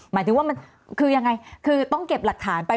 หมายถึงว่ามันคือยังไงคือต้องเก็บหลักฐานไป